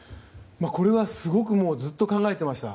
これはすごくずっと考えてました。